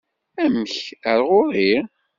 Amek, ar ɣuri?